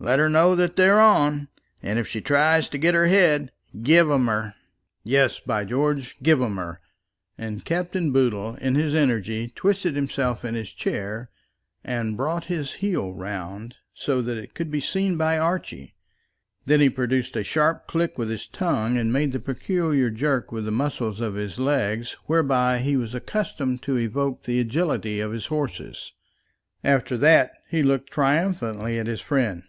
Let her know that they're on; and if she tries to get her head, give 'em her. Yes, by George, give 'em her." And Captain Boodle in his energy twisted himself in his chair, and brought his heel round, so that it could be seen by Archie. Then he produced a sharp click with his tongue, and made the peculiar jerk with the muscle of his legs, whereby he was accustomed to evoke the agility of his horses. After that he looked triumphantly at his friend.